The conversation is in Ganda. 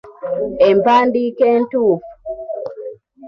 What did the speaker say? Empandiika entuufu.